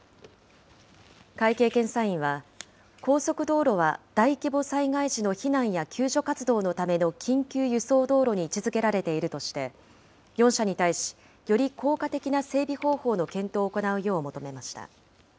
会計検査院は高速道路は大規模災害時の避難や救助活動のための緊急輸送道路に位置づけられているとして、４社に対し、より効果的な整備方法の検討を行うよう求めました。